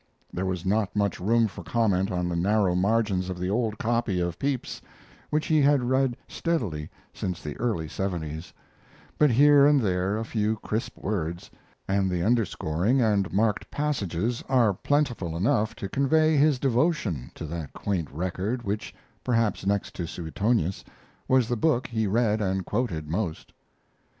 There was not much room for comment on the narrow margins of the old copy of Pepys, which he had read steadily since the early seventies; but here and there a few crisp words, and the underscoring and marked passages are plentiful enough to convey his devotion to that quaint record which, perhaps next to Suetonius, was the book he read and quoted most.